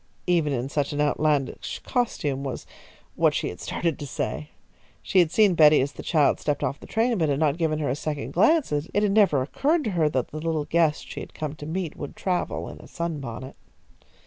Even in such an outlandish costume, was what she had started to say. She had seen Betty as the child stepped off the train, but had not given her a second glance, as it never occurred to her that the little guest she had come to meet would travel in a sunbonnet.